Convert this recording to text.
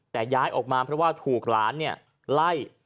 แต่ย้ายออกมาเพราะว่าถูกหลานไล่